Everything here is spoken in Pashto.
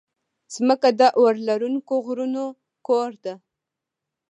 مځکه د اورلرونکو غرونو کور ده.